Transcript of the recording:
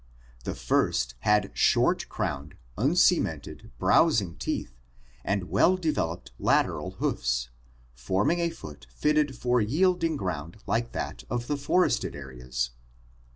The first had short crowned, uncemented, browsing teeth and well developed lateral hoofs, forming a foot fitted for yielding ground like that of the forested areas.